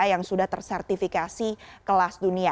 yang sudah tersertifikasi kelas dunia